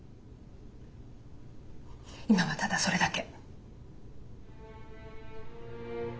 今はただそれだけ。